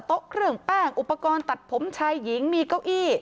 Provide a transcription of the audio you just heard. โต๊ะเครื่องแป้งอุปกรณ์ตัดผมชายหญิงมีเก้าอี้